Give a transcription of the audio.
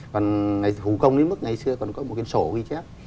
còn hú công đến mức ngày xưa còn có một cái sổ ghi chép